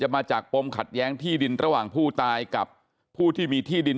มาจากปมขัดแย้งที่ดินระหว่างผู้ตายกับผู้ที่มีที่ดิน